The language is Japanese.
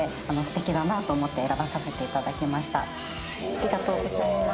ありがとうございます。